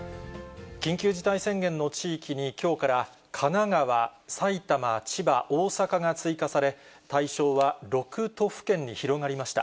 緊急事態宣言の地域に、きょうから神奈川、埼玉、千葉、大阪が追加され、対象は６都府県に広がりました。